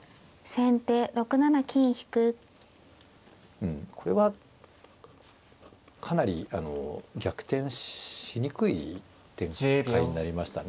うんこれはかなり逆転しにくい展開になりましたね。